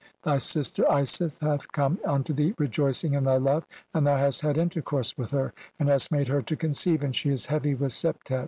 Thy sister "Isis hath come unto thee rejoicing in thy love ; and "thou hast had intercourse with her, and hast made "her to conceive, and she is heavy with Septet.